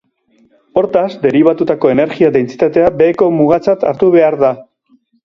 Hortaz, deribatutako energia-dentsitatea beheko mugatzat hartu behar da.